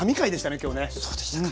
そうでしたか。